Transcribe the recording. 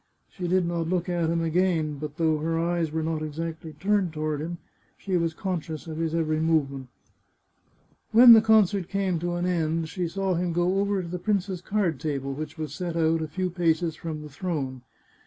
She did not look at him again. But though her eyes were not exactly turned toward him, she was conscious of his every movement. When the concert came to an end, she saw him go over to the prince's card table, which was set out a few paces from the throne.